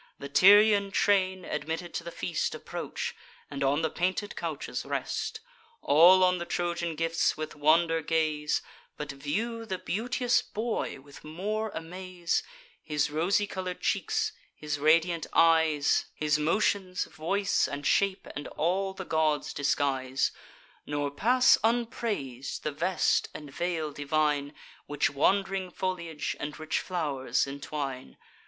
The Tyrian train, admitted to the feast, Approach, and on the painted couches rest. All on the Trojan gifts with wonder gaze, But view the beauteous boy with more amaze, His rosy colour'd cheeks, his radiant eyes, His motions, voice, and shape, and all the god's disguise; Nor pass unprais'd the vest and veil divine, Which wand'ring foliage and rich flow'rs entwine.